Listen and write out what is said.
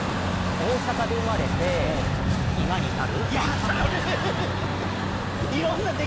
大阪で生まれて、今に至る。